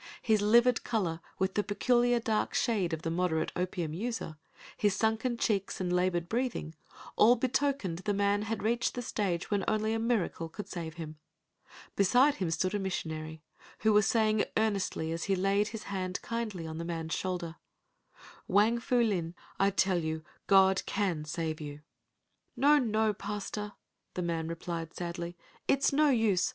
His livid color, with the peculiar dark shade of the moderate opium user, his sunken cheeks and labored breathing, all betokened the man had reached the stage when only a miracle could save him. Beside him stood a missionary, who was saying earnestly as he laid his hand kindly on the man's shoulder: "Wang Pu Lin, I tell you God can save you." "No, no, Pastor," the man replied sadly, "It's no use.